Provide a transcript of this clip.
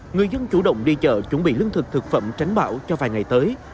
người dân chủ động đi chợ chuẩn bị lương thực thực phẩm tránh bão cho vài ngày tới